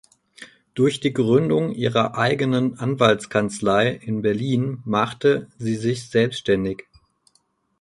Durch die Gründung ihrer eigenen Anwaltskanzlei in Berlin machte sie sich selbstständig.